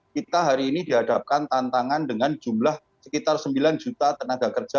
kita hari ini dihadapkan tantangan dengan jumlah sekitar sembilan juta tenaga kerja